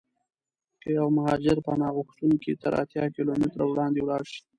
که یو مهاجر پناه غوښتونکی تر اتیا کیلومترو وړاندې ولاړشي.